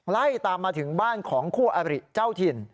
ไล่ตามมาถึงบ้านของคู่อบริเจ้าถิ่น